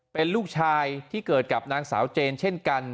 เป็นลูกชายที่เกิดกับนางสาวเจนเช่นกัน